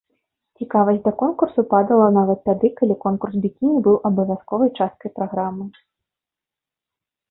Цікавасць да конкурсу падала нават тады, калі конкурс бікіні быў абавязковай часткай праграмы.